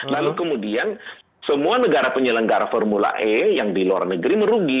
lalu kemudian semua negara penyelenggara formula e yang di luar negeri merugi